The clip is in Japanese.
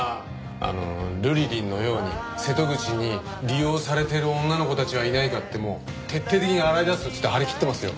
あのルリリンのように瀬戸口に利用されてる女の子たちはいないかってもう徹底的に洗い出すっつって張り切ってますよ。